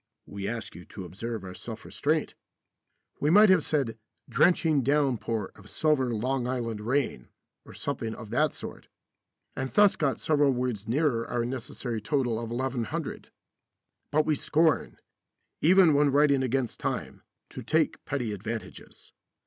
(We ask you to observe our self restraint. We might have said "drenching downpour of silver Long Island rain," or something of that sort, and thus got several words nearer our necessary total of 1100. But we scorn, even when writing against time, to take petty advantages.